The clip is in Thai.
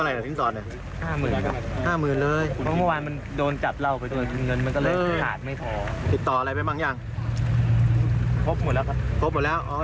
ยังคุณผู้ชมดราม่ายังไม่หมด